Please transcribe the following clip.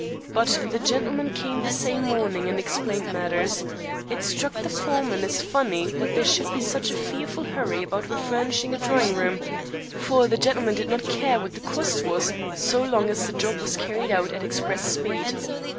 But the gentleman came the same morning and explained matters. It struck the foreman as funny that there should be such a fearful hurry about refurnishing a drawing room, for the gentleman did not care what the cost was so long as the job was carried out at express speed.